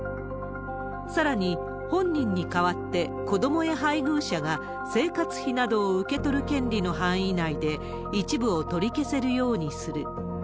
さらに、本人に代わって、子どもや配偶者が生活費などを受け取る権利の範囲内で、一部を取り消せるようにする。